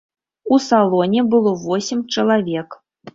У салоне было восем чалавек.